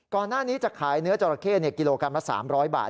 ก่อนหน้านี้จะขายเนื้อจราเข้กิโลกรัมละ๓๐๐บาท